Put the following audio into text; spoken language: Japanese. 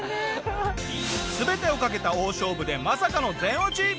全てを懸けた大勝負でまさかの全落ち！